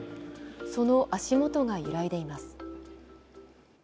その足元が揺らいでいます。